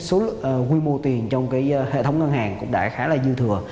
số quy mô tiền trong hệ thống ngân hàng cũng đã khá là dư thừa